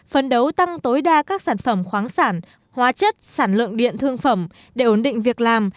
phấn đấu tăng tối đa các sản phẩm khoáng sản hóa chất sản lượng điện thương phẩm để ổn định việc làm